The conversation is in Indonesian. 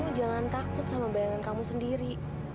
aku jangan takut sama bayangan kamu sendiri